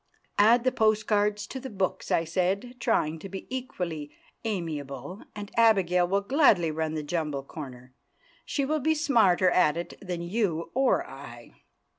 "Add the postcards to the books," I said, trying to be equally amiable, "and Abigail will gladly run the jumble corner; she will be smarter at it than you or I."